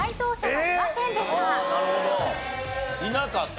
いなかった。